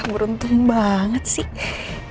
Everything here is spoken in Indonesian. beruntung banget sih